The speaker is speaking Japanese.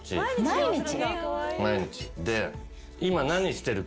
毎日。